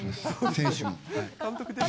選手も。